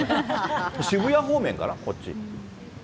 渋谷方面かな、こっち。